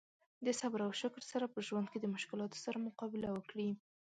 د صبر او شکر سره په ژوند کې د مشکلاتو سره مقابله وکړي.